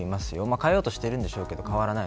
変えようとしているんでしょうが変わらない。